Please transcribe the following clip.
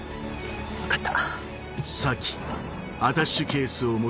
分かった。